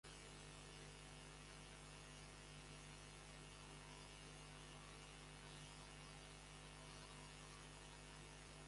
ძალიან მალე იგი გახდა სენატორების ლოტონ ჩაილზისა და ალბერტ გორის მრჩეველი.